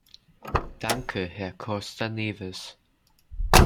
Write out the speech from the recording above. Danke, Herr Costa Neves.